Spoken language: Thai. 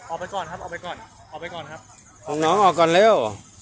ออกไปก่อนครับออกไปก่อนออกไปก่อนครับของน้องออกก่อนเร็ว